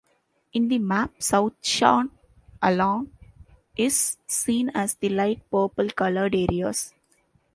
In the map, south Shah Alam is seen as the light purple coloured areas.